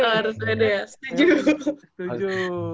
harus mede ya setuju